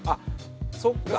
そっか。